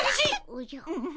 おじゃ。